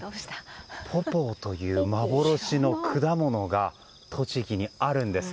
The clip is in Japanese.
ポポーという幻の果物が栃木にあるんです。